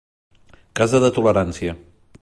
Casa de tolerància.